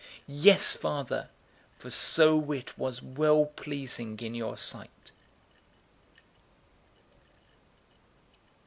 Yes, Father, for so it was well pleasing in your sight."